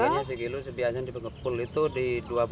harganya sekilo sedihannya di penumpul itu di dua puluh lima